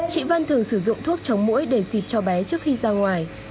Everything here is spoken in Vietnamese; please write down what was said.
chị vân thường sử dụng thuốc chống mũi để dịp cho bé trước khi ra ngoài